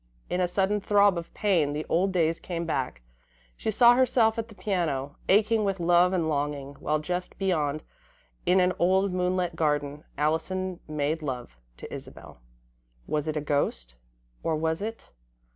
In a sudden throb of pain, the old days came back. She saw herself at the piano, aching with love and longing, while just beyond, in an old moonlit garden, Allison made love to Isabel. [Illustration: musical notation] Was it a ghost, or was it